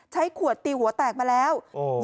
ใช้ขวดตีหัวแตกมาแล้ว